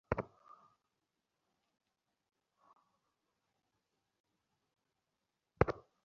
এজন্য তাহার মাসির অত্যন্ত লজ্জা ও সংকোচ সুচরিতাকে প্রত্যহ দগ্ধ করিতে লাগিল।